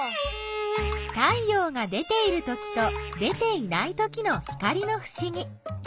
太陽が出ているときと出ていないときの光のふしぎ。